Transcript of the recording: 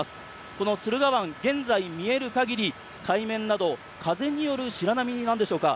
この駿河湾、現在、見える限り海面など風による白波なんでしょうか